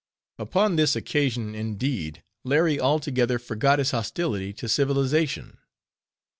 Upon this occasion, indeed, Larry altogether forgot his hostility to civilization.